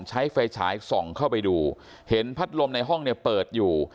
ใช้ไฟฉายส่องเข้าไปดูเห็นพัดลมในห้องเนี่ยเปิดอยู่